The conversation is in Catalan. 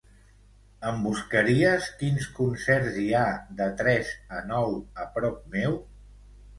Em buscaries quins concerts hi ha de tres a nou a prop meu?